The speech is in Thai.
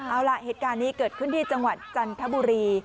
เอาล่ะเหตุการณ์นี้เกิดขึ้นที่จังหวัดจันทบุรี